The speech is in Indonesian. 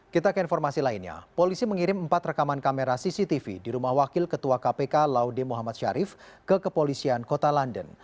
kita ke informasi lainnya polisi mengirim empat rekaman kamera cctv di rumah wakil ketua kpk laude muhammad syarif ke kepolisian kota london